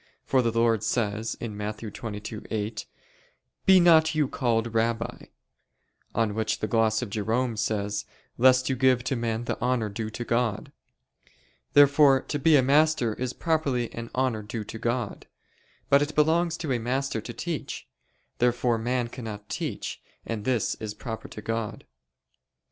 For the Lord says (Matt. 22:8): "Be not you called Rabbi": on which the gloss of Jerome says, "Lest you give to men the honor due to God." Therefore to be a master is properly an honor due to God. But it belongs to a master to teach. Therefore man cannot teach, and this is proper to God.